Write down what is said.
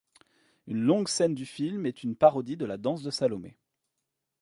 Une longue scène du film est une parodie de la danse de Salomé.